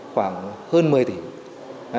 khoảng hơn một mươi tỉnh